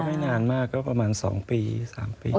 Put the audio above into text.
ไม่นานมากก็ประมาณ๒ปี๓ปี